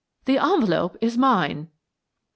"The envelope is mine."